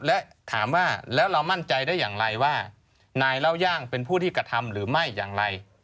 และถามว่าแล้วเรามั่นใจได้อย่างไรว่านายเล่าย่างเป็นผู้ที่กระทำหรือไม่อย่างไร